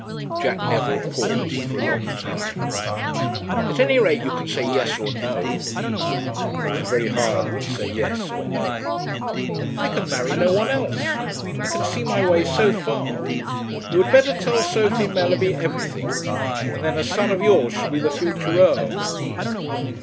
Jack Neville paused for a long time. "At any rate you can say yes, or no." "It is very hard to say yes, or no." "I can marry no one else. I can see my way so far. You had better tell Sophie Mellerby everything, and then a son of yours shall be the future Earl."